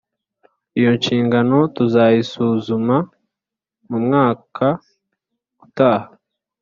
Iyo nshingano tuzayisuzuma mumwaka utaha